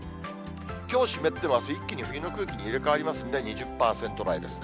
きょう湿っても、あす、一気に冬の空気に入れ代わりますんで、２０％台ですね。